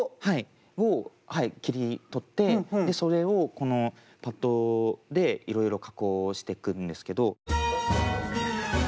はいを切り取ってそれをパッドでいろいろ加工してくんですけど。